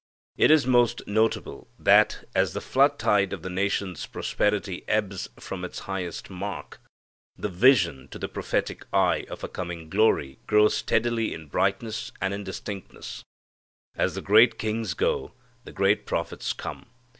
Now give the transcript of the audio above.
It is most notable that, as the flood tide of the nation's prosperity ebbs from its highest mark, the vision to the prophetic eye of a coming glory grows steadily in brightness and in distinctness. As the great kings go, the great prophets come.